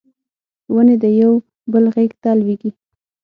ونې د یو بل غیږ ته لویږي